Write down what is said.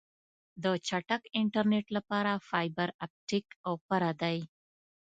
د چټک انټرنیټ لپاره فایبر آپټیک غوره دی.